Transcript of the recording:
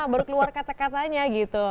baru keluar kata katanya gitu